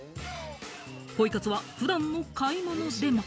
ポイ活は普段の買い物でも。